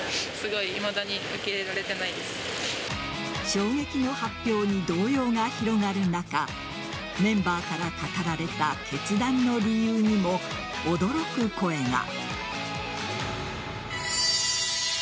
衝撃の発表に動揺が広がる中メンバーから語られた決断の理由にも驚く声が。